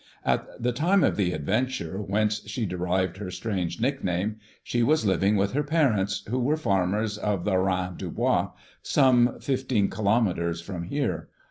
At the time of the adventure whence she derived her strange nickname she was living with her parents, who were farmers of the Rein du Bois, some fifteen kilometres from here.